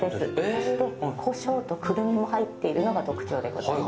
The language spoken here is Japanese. そして、胡椒とクルミも入っているのが特徴でございます。